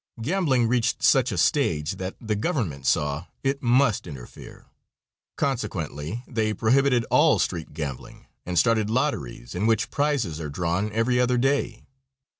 Gambling reached such a stage that the government saw it must interfere. Consequently they prohibited all street gambling and started lotteries, in which prizes are drawn every other day.